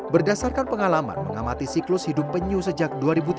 berdasarkan pengalaman mengamati siklus hidup penyu sejak dua ribu tiga belas